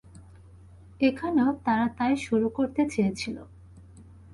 এখানেও তারা তাই শুরু করতে চেয়েছিল।